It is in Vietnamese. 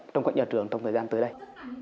trong các nhà trường trong thời gian tới đây